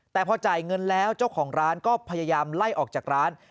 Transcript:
แต่พอจ่ายเงินแล้วเจ้าของร้านก็พยายามไล่ออกจากร้าน